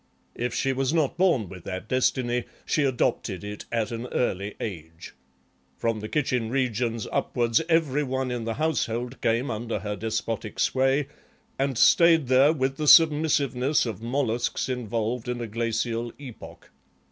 If she was not born with that destiny she adopted it at an early age. From the kitchen regions upwards every one in the household came under her despotic sway and stayed there with the submissiveness of molluscs involved in a glacial epoch.